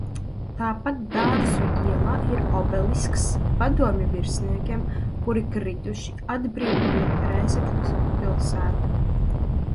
Tāpat Dārzu ielā ir obelisks padomju virsniekiem, kuri krituši atbrīvojot Rēzeknes pilsētu.